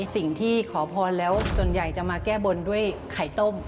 สิ่งที่ขอพรแล้วส่วนใหญ่จะมาแก้บนด้วยไข่ต้ม